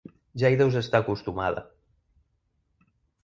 Ja hi deus estar acostumada.